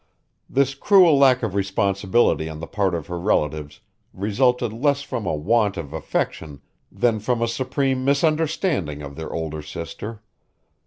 This cruel lack of responsibility on the part of her relatives resulted less from a want of affection than from a supreme misunderstanding of their older sister.